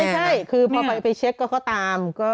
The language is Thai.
ไม่ใช่คือพอไปเช็คก็ตาม